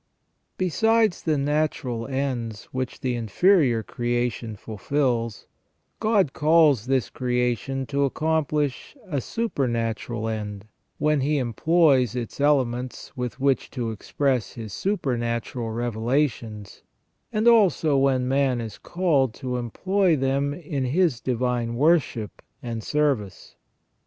Besides the natural ends which the inferior creation fulfils, God calls this creation to accomplish a supernatural end, when He em ploys its elements with which to express His supernatural revela tions, and also when man is called to employ them in His divine worship and service.